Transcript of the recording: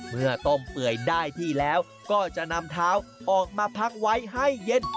เมื่อต้มเปื่อยได้ที่แล้วก็จะนำเท้าออกมาพักไว้ให้เย็น